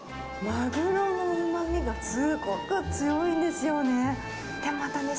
マグロのうまみがすごく強いんですよね。